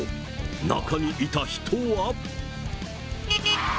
中にいた人は。